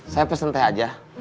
saya pesan teh aja